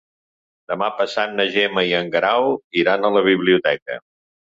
Demà passat na Gemma i en Guerau iran a la biblioteca.